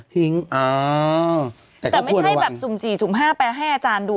แต่ไม่ใช่แบบสุ่ม๔สุ่มห้าแปลให้อาจารย์ดู